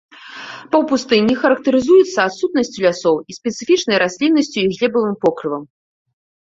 Паўпустыні характарызуюцца адсутнасцю лясоў і спецыфічнай расліннасцю і глебавым покрывам.